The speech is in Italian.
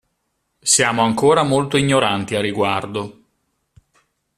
Siamo ancora molto ignoranti a riguardo.